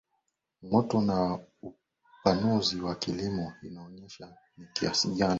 moto na upanuzi wa kilimo inaonyesha ni kiasi gani